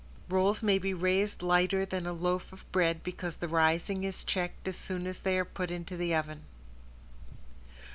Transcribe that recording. Rolls may be raised lighter than a loaf of bread because the rising is checked as soon as they are put into the oven.